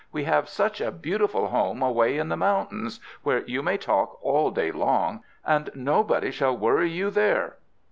We have such a beautiful home away in the mountains, where you may talk all day long, and nobody shall worry you there!"